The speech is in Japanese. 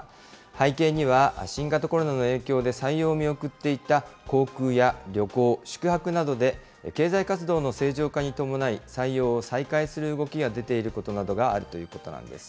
背景には、新型コロナの影響で採用を見送っていた航空や旅行、宿泊などで、経済活動の正常化に伴い、採用を再開する動きが出ていることなどがあるということなんです。